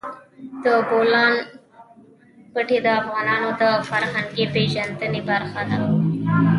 د بولان پټي د افغانانو د فرهنګي پیژندنې برخه ده.